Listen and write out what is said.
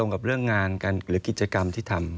กับเรื่องงานกันหรือกิจกรรมที่ทำ